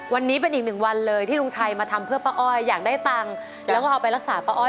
วันนี้เป็นอีกหนึ่งวันเลยที่ลุงชัยมาทำเพื่อป้าอ้อยอยากได้ตังค์แล้วก็เอาไปรักษาป้าอ้อย